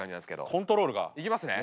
コントロールが。いきますね。